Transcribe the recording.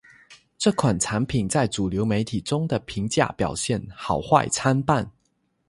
这款产品在主流媒体中的评价表现好坏参半。